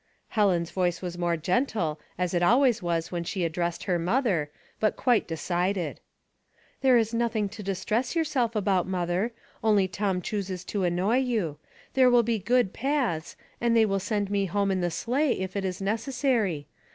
'* Helen's voice was more gentle, as it always was when she addressed her mother, but quite decided. A Sermon. 63 "There is nothing to distress yourself about, mother. Only Tom chooses to annoy you. There will be good paths, and they will send me home in the sleigh if it is necessary.